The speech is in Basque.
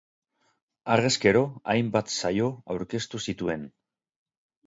Harrezkero hainbat saio aurkeztu zituen.